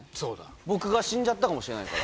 僕が死んじゃったかもしれないから。